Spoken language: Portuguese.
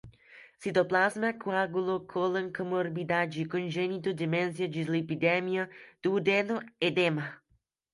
citoplasma, coágulo, cólon, comorbidade, congênito, demência, dislipidemia, duodeno, edema